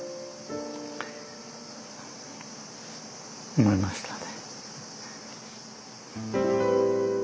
思いましたね。